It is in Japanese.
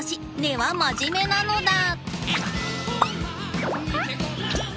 根は真面目なのだ。